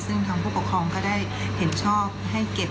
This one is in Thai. ซึ่งทางผู้ปกครองก็ได้เห็นชอบให้เก็บ